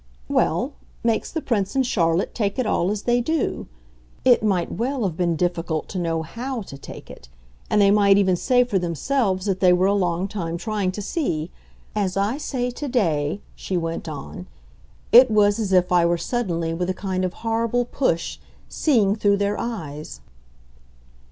"Well, makes the Prince and Charlotte take it all as they do. It might well have been difficult to know HOW to take it; and they may even say for themselves that they were a long time trying to see. As I say, to day," she went on, "it was as if I were suddenly, with a kind of horrible push, seeing through their eyes."